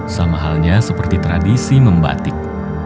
sama halnya seperti tradisi membatik